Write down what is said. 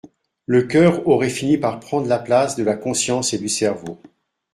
Le coeur aurait fini par prendre la place de la conscience et du cerveau.